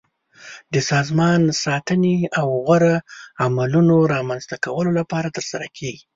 د سازمان ساتنې او غوره عملونو رامنځته کولو لپاره ترسره کیږي.